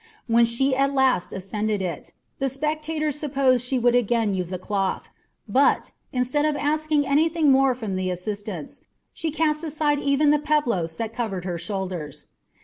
When she at last ascended it, the spectators supposed that she would again use a cloth; but, instead of asking anything more from the assistants, she cast aside even the peplos that covered her shoulders.